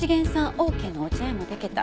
オーケーのお茶屋もでけた。